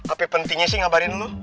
apa yang pentingnya sih ngabarin lu